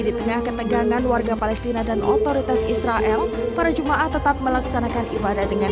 di tengah ketegangan warga palestina dan otoritas israel para jemaah tetap melaksanakan ibadah dengan